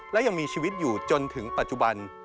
และยังมีชีวิตอยู่จนถึงปัจจุบัน